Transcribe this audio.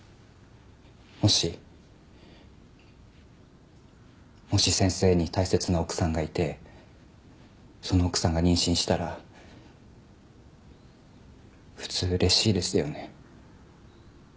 もしもし先生に大切な奥さんがいてその奥さんが妊娠したら普通嬉しいですよね。